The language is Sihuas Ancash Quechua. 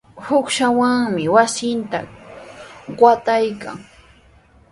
Uqshawanmi wasinta qataykan.